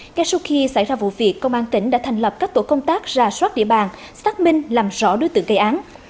ngay sau khi xảy ra vụ việc công an tỉnh đã thành lập các tổ công tác ra soát địa bàn xác minh làm rõ đối tượng gây án